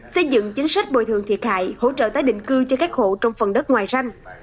xây dựng chính sách bồi thường thiệt hại hỗ trợ tái định cư cho các hộ trong phần đất ngoài ranh